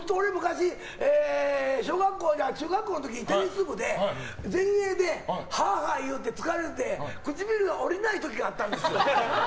昔、中学校の時テニス部で前衛でハーハー言うて疲れて、唇が下りない時があったんですよ。